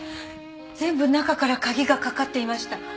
全部中から鍵が掛かっていました。